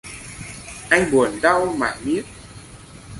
Anh buồn đau mải miết